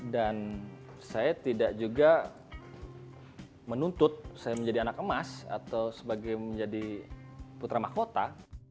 dan saya tidak juga menuntut saya menjadi anak emas atau sebagai menjadi putra mahkota